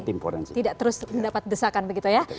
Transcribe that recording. tidak terus mendapat desakan begitu ya